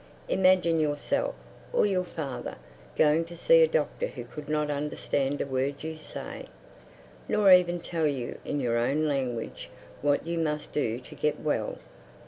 Imagine yourself, or your father, going to see a doctor who could not understand a word you say—nor even tell you in your own language what you must do to get well!